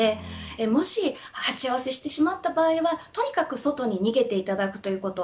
もし鉢合わせてしまった場合はとにかく外に逃げていただくということ。